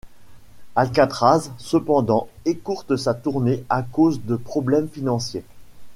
Alcatrazz, cependant, écourte sa tournée à cause de problèmes financiers.